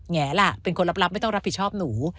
แง่ล่ะเป็นคนลับไม่ต้องรับผิดชอบหนู